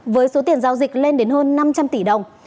với số tiền giao dịch lên đến hơn năm trăm linh tỷ đồng